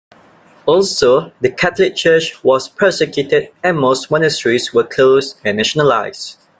Also the Catholic Church was persecuted and most monasteries were closed and nationalized.